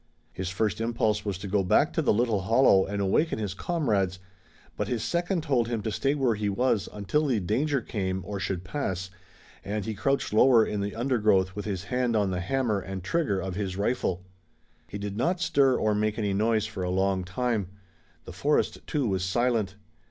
His first impulse was to go back to the little hollow and awaken his comrades, but his second told him to stay where he was until the danger came or should pass, and he crouched lower in the undergrowth with his hand on the hammer and trigger of his rifle. He did not stir or make any noise for a long time. The forest, too, was silent.